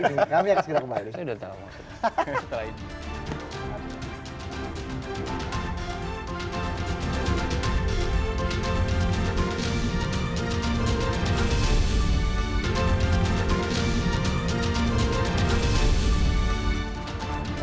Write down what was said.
kami akan segera kembali